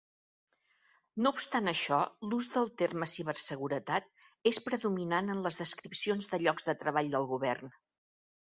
No obstant això, l'ús del terme "ciberseguretat" és predominant en les descripcions de llocs de treball del govern.